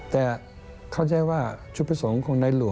แต่เข้าใจว่า